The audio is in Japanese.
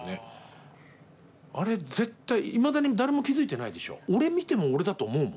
あれ絶対いまだに誰も気付いてないでしょ。